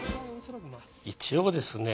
一応ですね